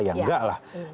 ya nggak lah